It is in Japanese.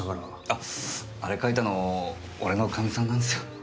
あっあれ書いたの俺のカミさんなんですよ。